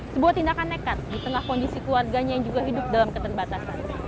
sebuah tindakan nekat di tengah kondisi keluarganya yang juga hidup dalam keterbatasan